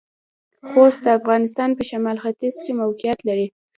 خوست د افغانستان پۀ شمالختيځ کې موقعيت لري.